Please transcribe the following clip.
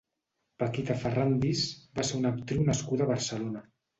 Paquita Ferràndiz va ser una actriu nascuda a Barcelona.